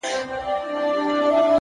مهرباني د زړونو ژور تاثیر لري،